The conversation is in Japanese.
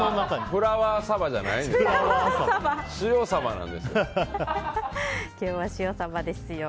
フラワーサバじゃないですよ。